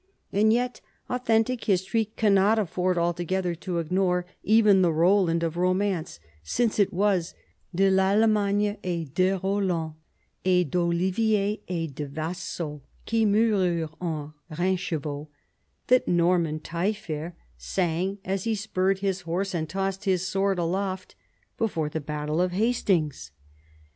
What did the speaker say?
And yet authentic history cannot afford altogether to ignore even the Roland of romance, since it was — De L'Allemaigne et de Rollant Et d'Olivier et de Vassaux Qui niorurent en Rainschevaux, that Norman Taillefer sang as he spurred his horse and tossed his sword aloft before the battle of Hastings.